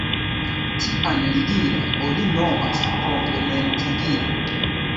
Tian ligilon oni nomas Komplementigilo.